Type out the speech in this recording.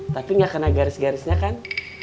tapi nggak kena garis garisnya kan